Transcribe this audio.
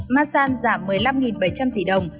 masan giảm một mươi năm bảy trăm linh tỷ đồng